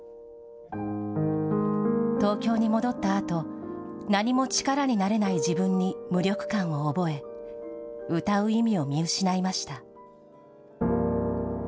東京に戻ったあと、何も力になれない自分に無力感を覚え、歌う意味を見失いました。